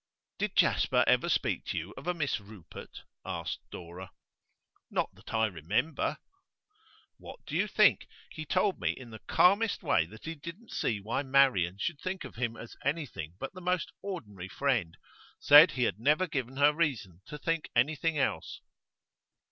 'Did Jasper ever speak to you of a Miss Rupert?' asked Dora. 'Not that I remember.' 'What do you think? He told me in the calmest way that he didn't see why Marian should think of him as anything but the most ordinary friend said he had never given her reason to think anything else.